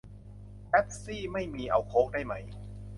เป็ปซี่ไม่มี เอาโค้กได้ไหม